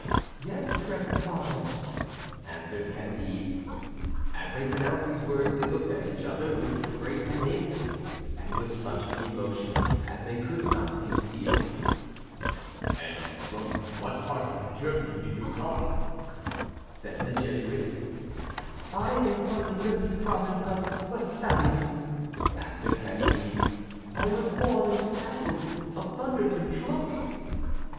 "Yes, reverend Father," answered Candide. As they pronounced these words they looked at each other with great amazement, and with such an emotion as they could not conceal. "And from what part of Germany do you come?" said the Jesuit. "I am from the dirty province of Westphalia," answered Candide; "I was born in the Castle of Thunder ten Tronckh."